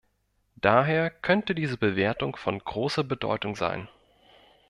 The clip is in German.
Daher könnte diese Bewertung von großer Bedeutung sein.